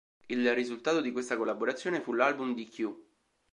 Il risultato di questa collaborazione fu l'album di "Kew.